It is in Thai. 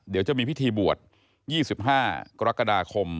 เดี๋ยวจะมีพิธีบวช๒๕กรกฎาคม